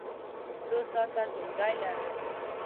څو ساعته ټولګی لرئ؟